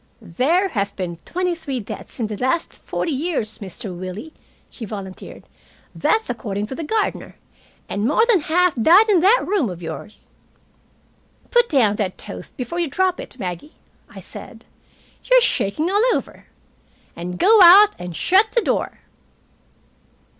"There have been twenty three deaths in it in the last forty years, Mr. Willie," she volunteered. "That's according to the gardener. And more than half died in that room of yours." "Put down that toast before you drop it, Maggie," I said. "You're shaking all over. And go out and shut the door."